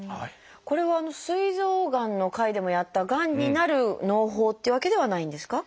これはすい臓がんの回でもやったがんになるのう胞っていうわけではないんですか？